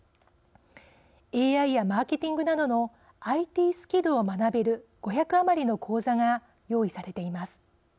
ＡＩやマーケティングなどのＩＴスキルを学べる５００余りの講座が用意されています。